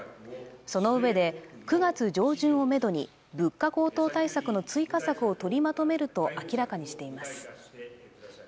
そのうえで９月上旬をめどに物価高騰対策の追加策を取りまとめると明らかにしています